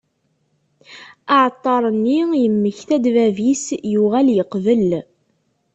Aεeṭṭar-nni yemmekta-d bab-is, yuγal yeqbel.